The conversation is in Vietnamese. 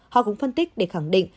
họ cũng phân tích để khẳng định